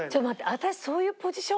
私そういうポジション？